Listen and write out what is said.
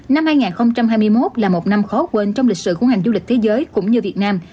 năm hai nghìn hai mươi một là một năm khó quên trong lịch sử của ngành du lịch thế giới cũng như việt nam